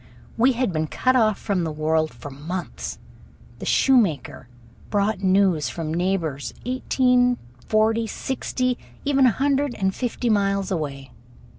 We had been cut off from the world for months. The shoemaker brought news from neighbors eighteen, forty, sixty, even a hundred and fifty miles away.